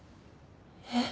えっ？